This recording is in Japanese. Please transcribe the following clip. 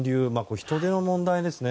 人出の問題ですね。